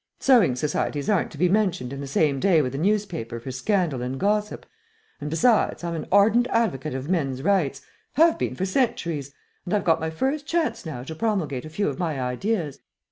Sewing societies aren't to be mentioned in the same day with a newspaper for scandal and gossip, and, besides, I'm an ardent advocate of men's rights have been for centuries and I've got my first chance now to promulgate a few of my ideas.